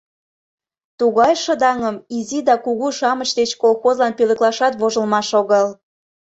Тугай шыдаҥым изи да кугу-шамыч деч колхозлан пӧлеклашат вожылмаш огыл.